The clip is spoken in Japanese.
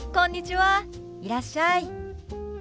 いらっしゃい。